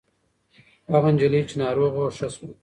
هغه نجلۍ چې ناروغه وه ښه شوه.